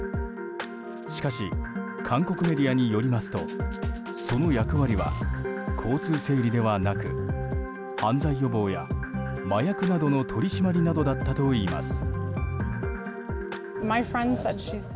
しかし韓国メディアによりますとその役割は交通整理ではなく犯罪予防や麻薬などの取り締まりなどだったといいます。